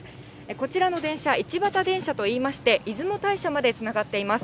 こちらの電車、一畑電車といいまして、出雲大社までつながっています。